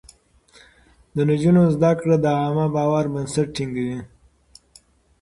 د نجونو زده کړه د عامه باور بنسټ ټينګوي.